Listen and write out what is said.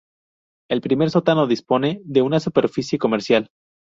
El primer sótano dispone de una superficie comercial.